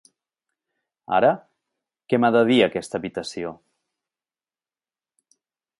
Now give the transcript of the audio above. Ara, què m'ha de dir aquesta habitació?